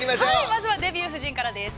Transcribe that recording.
◆まずは「デビュー夫人」からです。